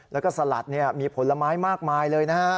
แล้วก็สลัดมีผลไม้มากมายเลยนะฮะ